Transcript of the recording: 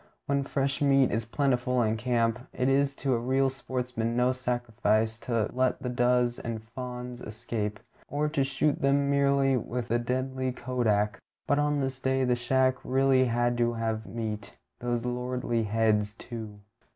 When fresh meat is plentiful in camp, it is to a real sportsman no sacrifice to let the does and fawns escape, or to shoot them merely with the deadly kodak; but on this day the shack really had to have meat those lordly heads, too.